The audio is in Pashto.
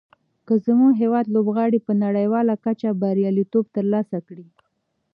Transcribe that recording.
که زموږ هېواد لوبغاړي په نړیواله کچه بریالیتوب تر لاسه کړي.